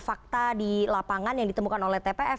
fakta di lapangan yang ditemukan oleh tpf